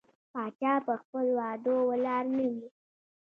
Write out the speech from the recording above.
پاچا په خپل وعدو ولاړ نه وي.